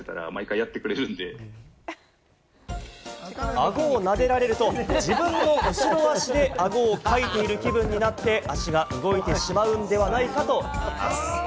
あごをなでられると、自分の後ろ足であごをかいている気分になって、足が動いてしまうのではないかといいます。